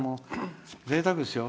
ぜいたくですよ。